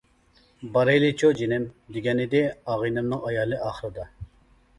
«بارايلىچۇ جېنىم، » دېگەنىدى ئاغىنەمنىڭ ئايالى ئاخىرىدا.